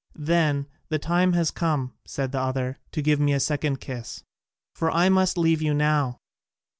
"Then the time has come," said the other, "to give me a second kiss, for I must leave you now."